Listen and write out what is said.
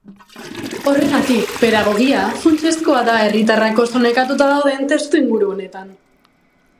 Horregatik, pedagogia funtsezkoa da herritarrak oso nekatuta dauden testuinguru honetan.